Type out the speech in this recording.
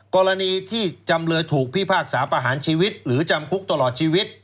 กรณีที่จำเลยถูกพิพากษาประหารชีวิตหรือจำคุกตลอดชีวิต